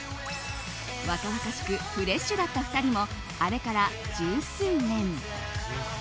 若々しくフレッシュだった２人もあれから十数年。